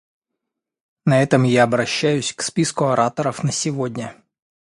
На этом я обращаюсь к списку ораторов на сегодня.